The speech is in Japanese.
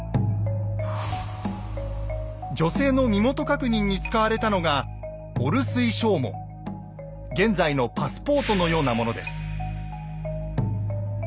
女性の身元確認に使われたのが現在のパスポートのようなものです。